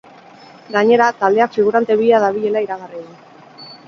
Gainera, taldeak figurante bila dabilela iragarri du.